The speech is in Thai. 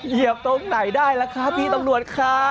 เหยียบตรงไหนได้ล่ะครับพี่ตำรวจครับ